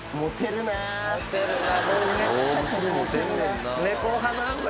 モテるな。